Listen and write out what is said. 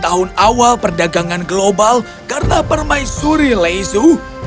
sejak tahun tahun awal perdagangan global karena permaisuri leisu